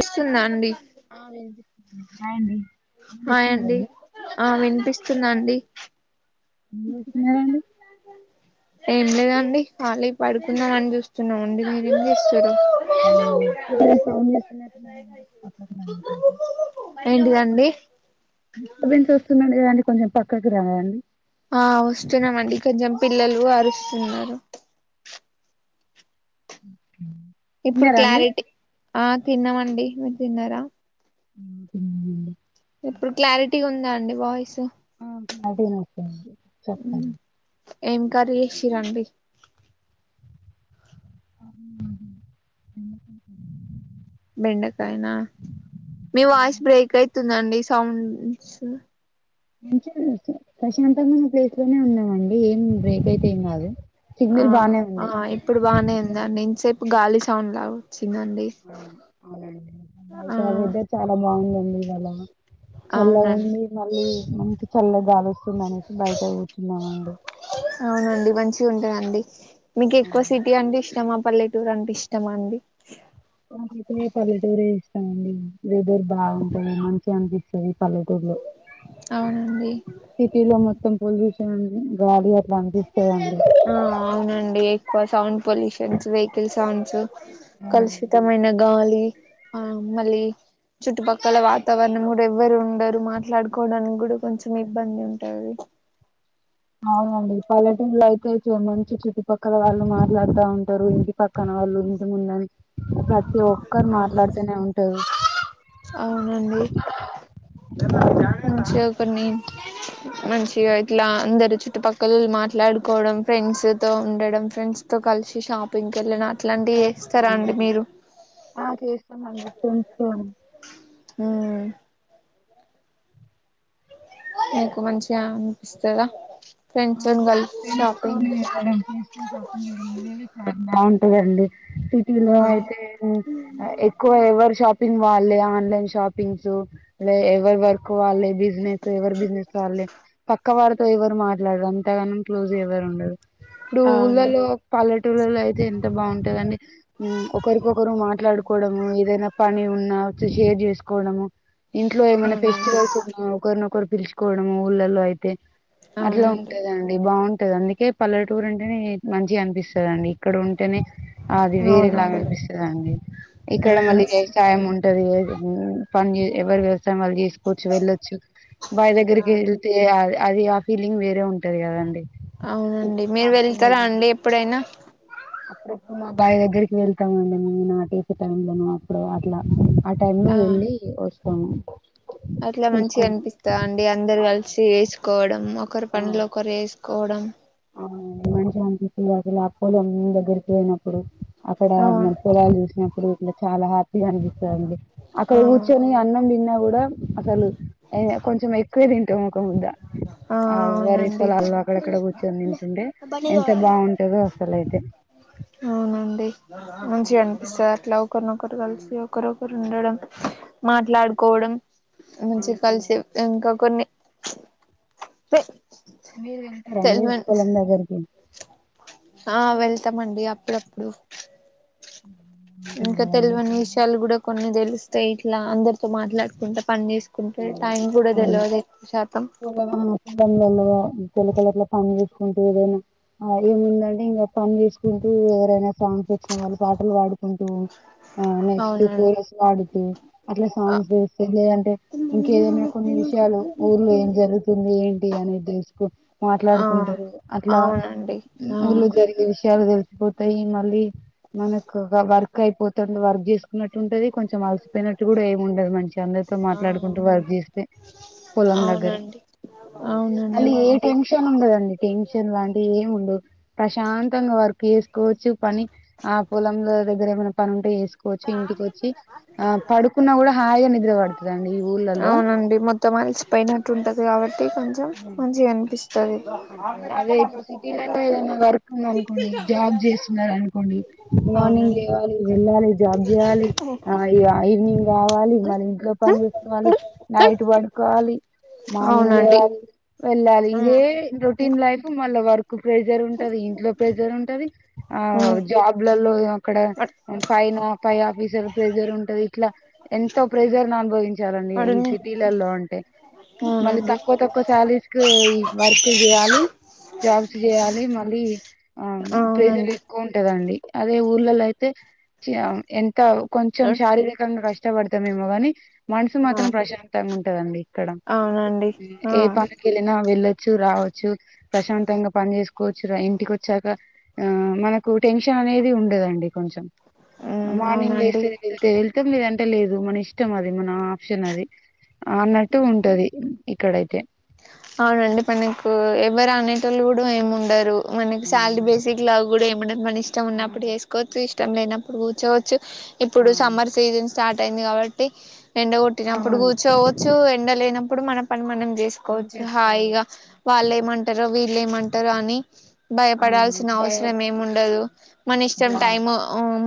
ఇస్తుందా అండి ఆ వినిపిస్తుంది హాయ్ అండి ఏం హాయ్ అండి చేస్తున్నారండి ఆ విని పిస్తున్నాండి చేస్తున్నారండి ఏం లేదండి కళీ పడుకుందాం అని చూస్తున్నామండి మీరేం చేస్తరు ఉ అంతా కలిసి ఏం చేస్తున్నారు ఏంటిదండి డిస్టబెన్స్ వస్తున్నాయి లేదంటే కొంచెం పక్కకు రాండి ఆ వస్తున్నామండి కొంచెం పిల్లలు అరుస్తున్నారు అ ఇప్పుడు క్లారిటీ ఆ తిన్నామండి మీరు తిన్నారా [unintelligible] ఇప్పుడు క్లారిటీ ఉందా అండి వాయిస్ ఆ అదే నచ్చేడి చెప్పండి ఏం కర్రీ చేసిరు అండి ఎన్న బెండకాయనా మీ వాయిస్ బ్రేక్ అయితుందండి సౌండ్స్ మంచిగానే వచ్చి ప్రశాంతంగా చేయ్ కునే ఉన్నామండి ఏం బ్రేక్ అయితే ఏం కాదు ఆ సిగ్నల్ బానే ఆ ఉంది ఇప్పుడు బానే ఉందా నేను చెప్ గాలి సౌండ్లు కావచ్ బయట ఆ వెదర్ చాలా బాగుందండి ఇవాళ చల్లగా అవునండి ఉంది మళ్ళీ మన్ కి చల్ల గాలి వచ్ తినడానికి బయట కూర్చున్నామండి. అవునండి మంచిగా ఉంటదండి మీక్ ఎక్కువ సిటీ అంటే ఇష్టమా పల్లెటూరు అంటే ఇష్టమా అండి నాకైతే పల్లెటూరే ఇష్టమండి వెదర్ బాగుంటుంది మంచిగా అనిపిసు [unintelligible] అవునండి సిటీలో మొ మొత్తం పొల్యూషన్ నండి గాలి అట్లా అనిపిస్తదండి ఆ అవునండి ఎక్కువ సౌండ్ పొల్యూషన్స్, వెహికల్ సౌండ్స్ కలుషితమైన గాలి ఆ మళ్ళీ చుట్టుపక్కల వాతావరణం కూడా ఎవ్వరు ఉండరు. మాట్లాడుకోవడానికి కూడా కొంచెం ఇబ్బంది ఉంటది. అవునండి పల్లెటుర్లో అయితే మంచి చుట్టుపక్కల వాళ్ళు మాట్లాడతా ఉంటారు. ఇంటి పక్కన వాళ్ళు ఇంటి ముందని ప్రతి ఒక్కరు మాట్లాడుతూనే ఉంటారు అవునండి మంచిగా కొన్ని మంచిగా ఇట్లా అందరు చుట్టుపక్కల్ మాట్లాడుకోవడం ఫ్రెండ్స్ తో ఉండడం, ఫ్రెండ్స్ తో కలిసి షాపింగ్కి వెళ్ళిన ఇలాంటివి చేస్తారా అండి మీరు తెస్ కొంచమండి కొంచం హ్మ్మ్ మీకు మంచిగా అనిపిస్తద అవునండి ఫ్రెండ్స్ తోని వెళ్ళడం, ఫ్రెండ్స్ తోని షాపింగ్ చెయ్యడం ఇవేవి చాలా బాగునా లేదండి సిటీలో అవును అయితే ఎక్కువ ఎవ్వర్ షాప్ పింగ్ వాళ్ళే ఆన్లైన్ షాపింగ్సు ఎవర్ వర్క్ వాళ్ళే బిజనేస్ ఎవర్ బిజెనెస్ వాళ్ళే పక్క వాళ్ ఎవరు మాట్ ఇట్ల అంతగానం క్లోజ్ ఎవరు ఉండరు. ఇప్పుడు అవును ఊళ్ళలో పల్లెటూర్లలో అయితే ఎంత బాగుంటదండి మ్మ్ ఒకరికొకరు మాట్లాడుకోవడము ఏదైనా పని ఉన్నా షేర్ చేసుకోవడము ఇంట్లో ఏమన్నా అవునండి ఫెస్టివల్స్ ఉన్నా ఒకరినొకరు పిలుచుకోవడము ఊళ్ళలో అయితే అట్లా అవునండి ఉంటాదండి బాగుంటది అందుకే పల్లెటూరు అంటేనే మంచిగా అనిపిస్తదండి ఇక్కడ ఉ అంటనే అది వేరేలాగా అవునండి అనిపిస్తదండి ఇక్కడ మళ్ళీ మ్మ్ వ్యవసాయం ఉం ఉంటది పని ఎవరి వ్యవసాయం వాళ్ళు చేసు కూర్చ్ వెళ్ళొచ్చు బాయి దగ్గరికి వెళ్తే అది [unintelligible] ఫీలింగ్ వేరే ఉంటది కదండి అవునండి మీరు వెళ్తారా అండి ఎప్పుడైనా అప్పుడప్పుడు మా బావి దగ్గరికి వెళ్తామండి మేము నాటేసే టైం లో అప్పుడు అట్లా ఆ టైమ్ లో వెళ్ళి వస్ పోను అట్ల మంచిగ అనిపిస్తా అండి అందరు కలిసి చేసుకోవడం ఒకరు ఆ! పనులు ఒకరు ఏస్క్ కోడం ఆ మంచిగనిపి [unintelligible] ఉమ్ దగ్గరికి వోయినం ఇప్పుడు అక్కడ మన అవును పొలాలు చూసినప్పుడు ఇంగ చాలా హా అక్కడ ఆ కూర్చోని అన్నం తిన్న గూ [unintelligible] అసలు ఏ కొంచెమె కదన్ [unintelligible] ఒక ముద్దా ఆ వరి పొలాల్లొ అక్కడక్కడ గు ఉన్నింటుండే ఎంత బాగుంటదో అస్సలైతే అవునండి మంచిగ అనిపిస్తది అట్లా ఒకరినొకరు కలిసి ఒకరొకరు ఉండడం మాట్లాడుకోవడం మంచి కలిసి ఇంకా కొన్ని మీరు వెళ్తరా అండి తెల్వని పొలం దగ్గరికి ఆ వెళ్తామండి అప్పుడప్పుడు బాగుంటది ఇంక కదండి తెల్వని విషయాలు గూడ కొన్ని తెలుస్ స్టేట్లా అందరితో మాట్లాడుకుంటా పని చేస్ కుంటే టైమ్ గూడా తెల్వది షా పొలం అమ్ము [unintelligible] ఎళ్ళవా ఇంటెల కలర్ల పన్ చేస్ కుంటూ ఏదైనా ఆ ఏముందండి ఇంగ పని చేసుకుంటూ ఎవరైనా సాంగ్స్ వచ్చిన వాళ్ళు పాటలు పాడుకుంటూ ఆ నెక్స్ట్ అవునండి కోరస్ వాడుతు అట్ల ఆ సాంగ్స్ చేస్తే లేదంటే ఇంక ఏదైనా కొన్ని విషయాలు ఊర్లో ఏమ్ జరుగుతుంది ఏంటి అనేది ఆ మాట్లాడుకుంటరు అట్లా అవునండి ఆ ఊళ్లో జరిగే విషయాలు తెలిసిపో వేయి మళ్ళీ మనకు వర్క్ అయిపోతుంది. వర్క్ చేసుకున్నట్ ఉంటది కొంచెం అలసిపోయినట్టు కూడా ఏమి ఉండదు. మంచి అందరితో ఆ మాట్లాడుకుంటూ వర్క్ చేస్తే పొలం దగ్గర. అవునండి అవునండి మళ్ళీ ఏ టెన్షన్ ఉండదండి. టెన్షన్ లాంటివి ఏమి ఉండదు. ప్రశాంతంగా వర్ చేసుకోవచ్చు పని ఆ పొలంలో దగ్గర ఏమైనా పని ఉంటే తీసుకోచ్చి ఇంటికి వచ్చి ఆ పడుకున్నా కూడా హాయిగా నిద్ర పడుతది అండి. ఈ ఊళ్ళల్లో అవునండి మొత్తం అలిసిపోయినట్టు ఉంటది కాబట్టి కొంచెం మంచిగ అ అదే ఇప్పుడు సిటీలల్లో ఏదైనా వర్క్ ఉంద అనుకోండి. జాబ్ చేస్తున్నారు అనుకోండి. మార్నింగ్ అవునండి లేవాలి, వెళ్ళాలి. జాబ్ జేయాలి మనమై ఐ రావాలి మన ఇంట్లో పని చేసుకోవాలి. నైట్ పడుకోవాలి. మార్నింగ్ అవునండి లేవాలి. వెళ్ళాలి ఉమ్ రొటీన్ లైఫ్ మన్ ల వ్వారు ప్రెజర్ ఉంటది ఇంట్లో ప్రెజర్ ఉంటది ఆ ఉమ్ జాబ్లలో ఇక్కడ పైనో ఆఫీస్ చాలా ప్రెజర్ ఉంటది ఇట్లా ఎంతో ప్రెజర్ అనుభవించాలండి. ఈ పడుని సిటీలల్లో అంటే మళ్ళీ అవునండి తక్కువ తక్కువ శాలరీస్ కి ఈ వర్క్ చేయాలి జాబ్స్ చేయాలి మళ్ళీ ఆ ప్రెజర్ అవునండి ఎక్కువ ఉంటది అండి అదే ఊర్లల్లో అయితే ఎన్ కా కొంచెం అవునండి శారీరకంగా కష్ ఇష్టపడతామేమో కానీ మనసు మాత్రం ప్రశాంతంగా ఉం అండి ఇక్కడ ఆ ఏ పనికి వెళ్ళినా వెళ్ళ చ్చ రావచ్చు ప్రశాంతంగా పని చేసుకోవచ్చు. ఇంటికి వచ్చాక ఆ మనకు టెన్షన్ అనేది ఉండదండి. కొంచం ఉమ్ మార్నింగ్ అవునండి లేసే వెళ్తే వెళ్తాం మీరుం కట్టలేదు మన ఇష్టం అది మన ఆప్షన్ అది అన్నట్టు ఉంటది ఇక్కడైతే అవునండి పెన్నింగ్ ఉ ఎవరు అనేటోళ్ళు కూడా ఏమి ఉండరు మన సాలరీ అవును బెసిక్ల కూడా ముండద్ మనీ ష్టం ఉన్నప్పుడు అవును చేసుకోవచ్చు ఇష్ తం లేనప్పుడు కూర్చోవచ్చు ఇప్పుడు అవును సమ్మర్ సీజన్స్ స్టార్ట్ అయింది కాబట్టి ఎండ కొట్టినప్పుడు అవును కూర్చోవచ్చు ఎ ఎండలేనప్పుడు మన పని మనం తీసుకో మనం చేసుకోవాలి చహాయిగా వాళ్ళే మం టరో విల్లెమంటరో అని అవును భయపడాల్సిన భయ అవసరం ఏమి ఉండదు అవును మన ఇష్టం జాబ్ టైమ్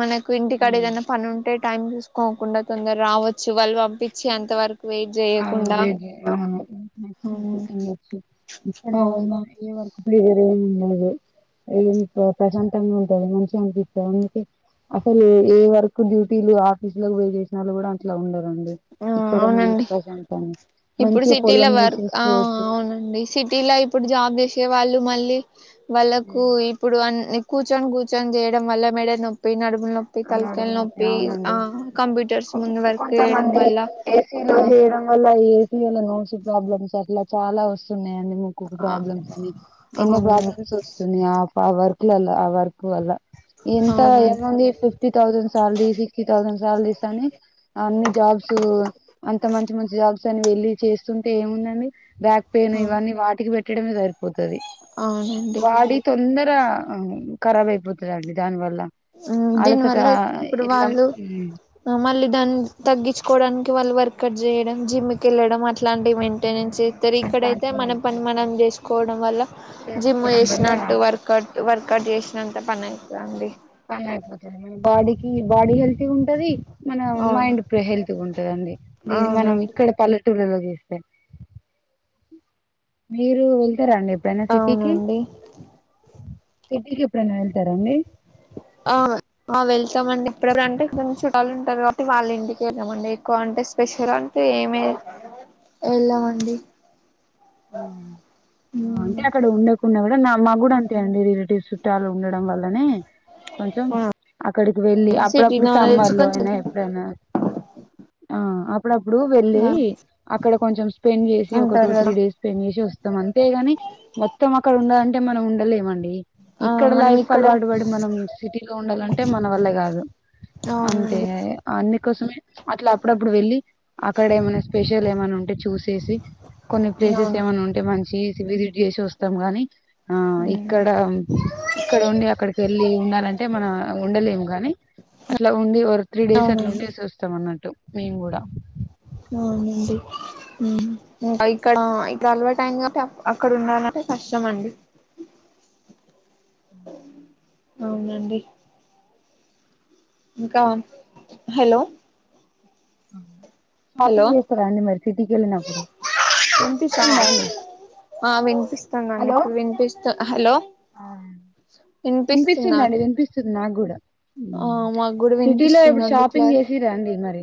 మనకు ఇంటికాడ హ్మ్ ఏదైనా పని ఉంటే టైం చూసుకోకుండా తొందర రావచ్చు వాళ్ళు పంపించి అంత వరకు వెయిట్ అవ్వ్ చేయకుండా అవును [unintelligible] వచ్చి ఇప్పుడ అవును మా వ ప్లేజర్ ఏ ఉండదు ఏం ప్రశాంతంగా ఉంటది మనిషి అనిపిస్తంది అందుకే అసలు ఏ వర్కు డ్యూటీలు ఆఫీస్ లో పోయ చేసిన కూడా అట్లా ఉండరు అండి ఆ ఇక్కడన్నంత అవునండి ఇప్పుడు సిటీల వర్క్ ఆ చేసేసుకోవచ్చు అవునండి సిటీల ఇప్పుడు జాబ్ చేసీ ఇగ వాళ్ళు మళ్ళీ వాళ్ళకు హ్మ్ ఇప్పుడు అన్ని కూర్చొని కూర్చొని చేయడం వల్ల మెడ నొప్పి నడుమ్ నొప్పి అని తలక్యాలు అడుగు నొప్పి ఆ అవునండి కంప్యూటర్స్ ముందు వర్క్ వేయడం ది ఏసీలు ఆన్ చేయడం వల్ల ఇవాల నోస్ ప్రాబ్లమ్స్ అట్లా చాలా వస్తున్నా అండి ముక్కుకు ఆ ప్రాబ్లమ్ వస్తుంది ఎన్నో అవునండి ప్రాబ్లమ్స్ వస్తున్నా ఆ వర్క్లల ఆ వర్కు వల్లా ఎంత అవునండి ఎముంది త్రీ తౌసన్ సాలరీ సిక్స్టీ తౌ నేన్ సాలరీ థాని అన్ని జాబ్స్ అంత మంచి మంచి జాబ్స్ సని వెళ్ళి చేస్తుంటే ఏముందని బ్యాక్ పెయిన్ ఆ ఇవన్నీ వాటికి పెట్ కడిమీసరిపొతది అవునండి వాడి తొందర ఖరాబ్ అయిపోతుందండి దానివల్ల హ్మ్మ్ దీని వల్ల ఇప్పుడు ఇట్లా వాళ్ళు మ్ మళ్ళీ దాన్ని తగ్గి తెచ్చుకోడానికి వాళ్ళు వర్క్ ఇక్కడ చేయడం జిమ్ కి వెళ్ళడం అట్లాంటి మెయింటెనెన్స్ చేస్తారు ఇక్కడైతే అట్లాంటివి మన మేము పని చేస్తాం మనం చేసుకోవడం వల్ల జిమ్ చేసుకోవడం వల్ల చేసినట్టు వర్క అవుట్ వర్కౌట్ చేసినంత పనైతది అండి పనైపోతది బాడీకి బాడీ హెల్త్ ఉంటది మన అవును మైండ్ హెల్త్గా ఉంటదిండి దీని మనం అవునండి ఇక్కడ పల్ టూలలో చూస్తే మీరు రా అండి ఎప్పుడైనా సిటీకి అవునండి సిటీకి ఎప్పుడైనా వెళ్తారంాండి ఆ మా వెళ్తామండి ఇప్పుడప్పుడు అంటే కొ చూటలుటారు కాబట్టి వాళ్ళ ఇంటికి వెళ్ళామండి ఎక్కువ అంటే స్పెషల్ అంటే ఏమే వెళ్ళామండి అంటే అక్కడ ఉండేకుడా కూడా మా కూడా అంటేండి రిలేటివ్స్ చాల ఉన్నా వల్ల కొంచెం అక్కడికి వెళ్ళి సిటీ అప్పుడప్పుడు నాలెడ్జ్ సమ్మర్ లో కొంచెం అయినా ఎప్పుడైనా ఆ అప్పుడప్పుడు వేళి అక్కడ కొంచెం స్పెండ్ చేసి ఒక టూ ఉంటారు త్రీ కదా డేస్ ఏచో మత్తం అంతే గాని మొత్తం అక్కడ ఉండాలంటే మనం ఉండలేమండి ఆ ఇక్కడ మనం లైఫ్ కు ఇక్కడ అలవాటు పడి మనం సిటీలో ఉండాలంటే మన వల్లే కాదు అంతే అవునండి అన్ని కోసమే అట్లా అప్పుడప్పుడు వెళ్ళి అక్కడ ఏమైనా స్పెషల్ ఎం అన్న ఉంటే చూసేసి కొని ఆ ప్లేసెస్ ఏమన్న ఉంటే మంచి విజిట్ చేసి వస్తాం గాని ఆ మ్మ్ ఇక్కడ ఇక్కడ ఉండి అక్కడికి వెళ్ళి ఉండాలంటే మనం ఉండలేము కానీ అట్లా ఉండి ఒక త్రీ డేస్ అట్లా ఉండి అవునండి వసి వస్తాం అన్నట్టు మేం కూడా అవునండి ఇక్కడ ఇక్కడ అలవా టైం కా అక్కడ ఉండాలంటే కష్టమ అండి అవునండి ఇంకా హలో ఆ [inaudible] హలో షాపింగ్ చేస్తారా అండి మరి సిటీకి వెళ్ళినప్పుడు వినిపిస్తుందా అండి ఆ వినిపిస్తుందండి హలో ఇప్పుడు వినిపిస్తు హలో వినిపిస్తుందా వినిపిస్తుందండి వినిపిస్తు నాగూడ ఆ మాకు కూడా సిటీ లో ఇప్పుడు వినిపిస్తుందండి షాపింగ్ క్లారి చేసిరా అండి మరి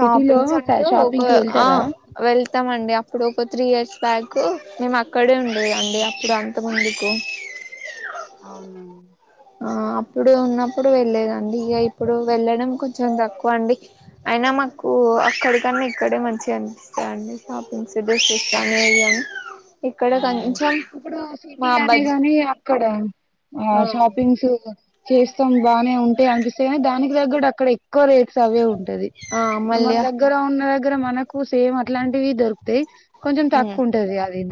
సిటీలో అంటూ ఒక షాపింగ్ కి ఆ వెళ్తారా వెళ్తామండి అప్పుడు త్రీ ఇయర్స్ బ్యాక్ మేం అక్కడే ఉ అడి అప్పుడు అ [inaudible] మత్త ముంందుకు [inaudible] అవునండి ఆ అప్పుడు ఉన్నప్పుడు వెళ్ళలేదండి ఇక ఇప్పుడు వెళ్ళడం కొంచెం తక్కువ అండి అయినా మాకు అక్కడికన్నా ఇక్కడే మంచిగా అనిపిస్తందిండి షాపింగ్స్డస్ ఇస్తనేవి అని ఇప్పుడు సిటీ అనే బజ్ గానే అక్కడ ఆ షాపింగ్స్ చేస్తాం బానే ఉంటేయి అనిపిస్తే కానీ దానికి తగ్గట్ అక్కడ ఎక్కువ రేట్స్ అవే ఉంటాయి ది ఆ ఇప్పుడు మన మళ్ళీ దగ్గర ఉన్న దగ్గ దగ్గర మనకు సేమ్ అట్లాంటివి దొరుకుతాయ్ కొంచెం తక్కువ ఉంటది ఇగ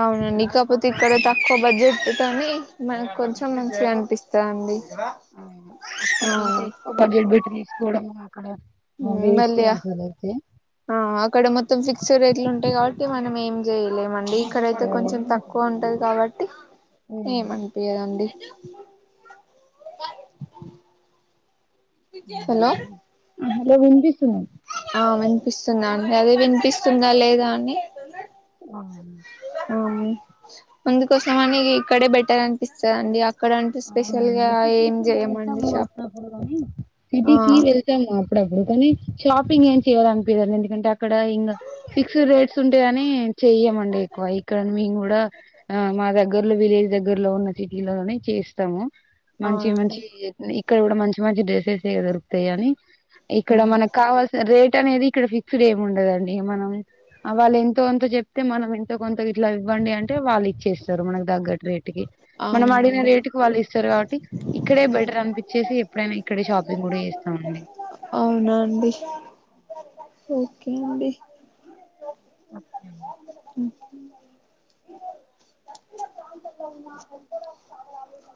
అవును నికపోతె ఇక్కడ తక్కువ బడ్జెట్ కానీ మనకు కొంచెం మంచిగా అనిపిస్తాది అండి ఉ అక్కడ అంతే ఎక్కువ బడ్జెట్ పెట్టి తీ కూడముగా ఉ మల్లియ ఆ అక్కడ మొత్తం ఫిక్స్డ్ రేట్లు ఉన్ ఉంటాయి కాబట్టి మనం ఏం చేయలేమండి ఏం ఇక్కడైతే అడగలేదు. కొంచెం తక్కువ ఉంటది కాబట్టి ఏమనిపియదండి. హలో ఆ హలో వినిపిస్తుంది ఆ వినిపిస్తుందా అండి అదే వినిపిస్తుందా లేదా అని ఆ ఆ కానీ అందుకోసమని ఇక్కడే బెట్టర్ అనిపిస్తదండి. అక్కడంటే స్పెషల్ గా అవునండి ఏం సిటీకి చేయమండి షాప్ ఆ సిటికి వెళ్తాం ఆ అప్పుడప్పుడు కానీ షాపింగ్ ఏం చేయాలి అనిపియ్యదండి ఎందుకంటే అక్కడ ఇంగా ఫిక్స్డ్ రేట్స్ ఉంటాయని చెయ్యమండి ఎక్కువ ఇక్కడ మేము కూడా ఆ మా దగ్గర్లో వెహికిల్ దగ్గర్లో ఉన్న సిటీలోనే చేస్త తము మంచి అవునండి మంచివి చేస్తది. ఇక్కడ కూడా మంచి మంచి డ్రెస్సెసే దొరుకుతాయి అని ఇక్కడ మనకు కావాల్సి రేట్ ట అనేది ఇక్కడ ఫిక్స్డ్ ఏమి ఉండదండి. మనం వాళ్ళు ఎంతో కొంత చెప్తే మనం ఎంతో కొంత ఇట్లా ఇవ్వండి అంటే వాళ్ళు ఇచ్చేస్తా తరు మనకు తగ్గట్టు రేట్కి మనం అడిగిన అవునండి రేట్ వాళ్ళు ఇస్తారు కాబట్టి ఇక్కడే బెటర్ అనిపించేసి ఎప్పుడైనా ఇక్కడే షాపింగ్ కూడా చేస్తామండి. అవునండి ఓకే అండి ఓకే అండి ఉహు [unintelligible]